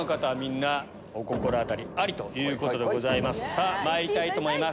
さぁまいりたいと思います。